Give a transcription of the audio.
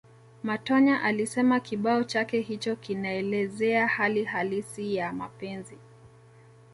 Matonya alisema kibao chake hicho kinaelezea hali halisi ya mapenzi